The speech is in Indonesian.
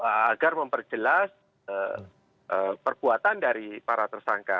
agar memperjelas perbuatan dari para tersangka